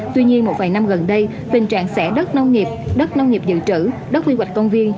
tuy nhiên một vài năm gần đây tình trạng xẻ đất nông nghiệp đất nông nghiệp dự trữ đất quy hoạch công viên